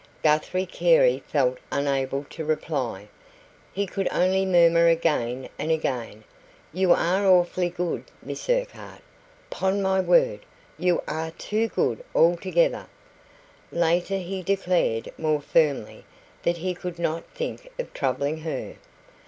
Guthrie Carey felt unable to reply. He could only murmur again and again: "You are awfully good, Miss Urquhart. 'Pon my word, you are too good altogether." Later, he declared more firmly that he could not think of troubling her.